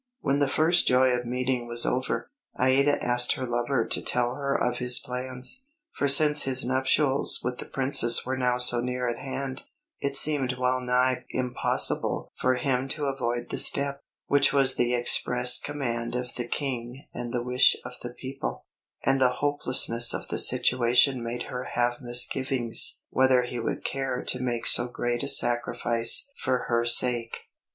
When the first joy of meeting was over, Aïda asked her lover to tell her of his plans, for since his nuptials with the Princess were now so near at hand, it seemed well nigh impossible for him to avoid the step, which was the express command of the King and the wish of the people; and the hopelessness of the situation made her have misgivings whether he would care to make so great a sacrifice for her sake.